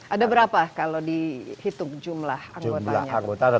ada berapa kalau dihitung jumlah anggotanya